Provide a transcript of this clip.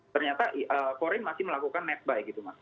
ternyata foreign masih melakukan net buy gitu mas